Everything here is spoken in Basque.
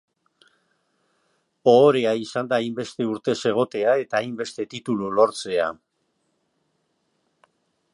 Ohorea izan da hainbeste urtez egotea, eta hainbeste titulu lortzea.